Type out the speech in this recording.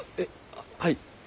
あっはい。